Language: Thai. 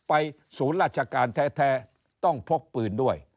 ศูนย์ราชการแท้ต้องพกปืนด้วย